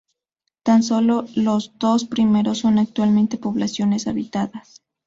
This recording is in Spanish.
Tan solo los dos primeros son actualmente poblaciones habitadas.